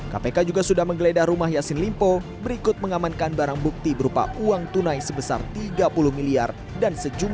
kpk juga sudah menggeledah rumah yassin limpoh berikut mengamankan barang bukti berupa uang tunai kepala komersial